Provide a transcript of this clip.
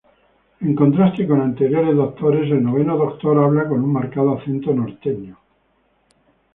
En contraste con anteriores Doctores, el Noveno Doctor habla con un marcado acento norteño.